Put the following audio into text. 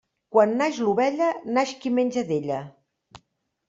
Quan naix l'ovella, naix qui menja d'ella.